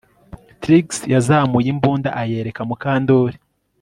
Trix yazamuye imbunda ayereka Mukandoli